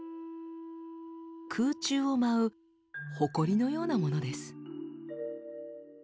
空中を舞うほこりのようなものです。